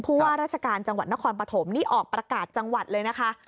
ว่าราชการจังหวัดนครปฐมนี่ออกประกาศจังหวัดเลยนะคะ